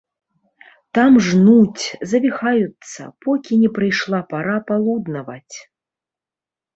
Так жнуць, завіхаюцца, покі не прыйшла пара палуднаваць.